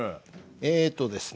えっとですね